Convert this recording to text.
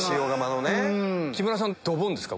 木村さんドボンですか？